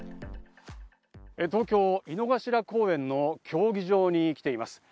東京・井の頭公園の競技場に来ています。